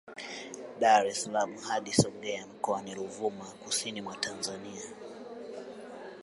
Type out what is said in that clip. Dar es salaam hadi Songea Mkoani Ruvuma Kusini mwa Tanzania